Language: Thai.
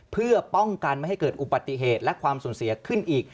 เพื่อป้องกันไม่ให้เกิดอุบัติเหตุและความสูญเสียขึ้นอีก